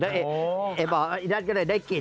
เอ๊ะบอกว่าอี๊ดันก็เลยได้กลิ่น